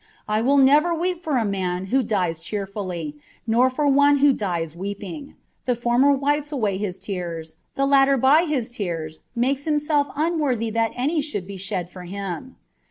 I will never weep for a man who dies cheerfully, nor for one who dies weeping : the former wipes away my tears, the latter by his tears makes himself unworthy that any should be shed for him.